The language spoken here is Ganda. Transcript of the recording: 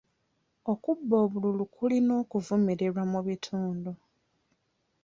Okubba obululu kulina okuvumirirwa mu bitundu.